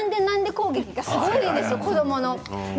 攻撃がすごいんですよ、子どもの。